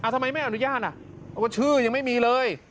ทำไมไม่อนุญาตเพราะว่าชื่อยังไม่มีเลย